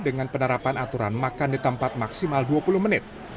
dengan penerapan aturan makan di tempat maksimal dua puluh menit